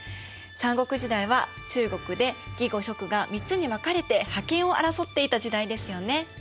三国時代は中国で魏呉蜀が３つに分かれて覇権を争っていた時代ですよね？